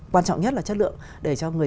quan trọng nhất là chất lượng để cho người